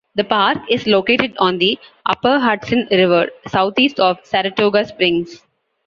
The park is located on the upper Hudson River southeast of Saratoga Springs.